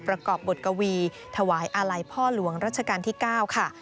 ประกอบบทกวีถวายอาลัยพ่อหลวงรัชกาลที่๙ค่ะ